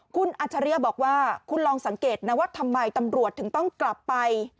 คุณอัจฉริยะบอกว่าคุณลองสังเกตนะว่าทำไมตำรวจถึงต้องกลับไป